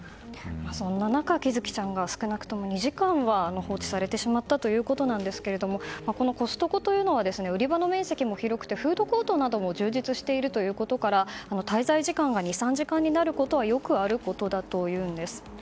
そんな中、喜寿生ちゃんが少なくとも２時間は放置されてしまったということですがこのコストコというのは売り場面積も広くてフードコートなども充実していることから滞在時間が２３時間になることはよくあることだということです。